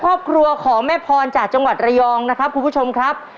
ครอบครัวของแม่พรจากจังหวัดระยองนะครับคุณผู้ชมครับ